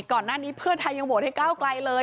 ก่อนหน้านี้เพื่อไทยยังโหวตให้ก้าวไกลเลย